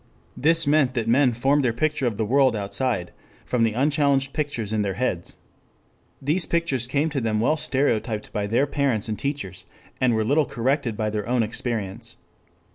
This meant that men formed their picture of the world outside from the unchallenged pictures in their heads. These pictures came to them well stereotyped by their parents and teachers, and were little corrected by their own experience.